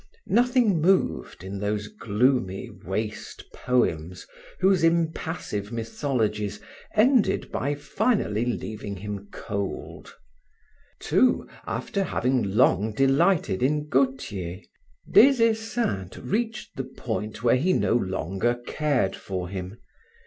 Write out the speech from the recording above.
Nothing moved in those gloomy, waste poems whose impassive mythologies ended by finally leaving him cold. Too, after having long delighted in Gautier, Des Esseintes reached the point where he no longer cared for him.